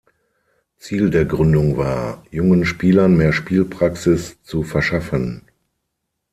Ziel der Gründung war, jungen Spielern mehr Spielpraxis zu verschaffen.